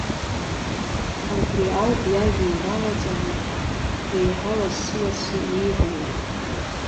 Абри ауп иажәа иналаҵаны, реиҳа лассы-лассы ииҳәало.